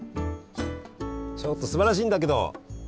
ちょっとすばらしいんだけど。